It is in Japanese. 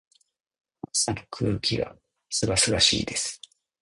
朝の空気が清々しいです。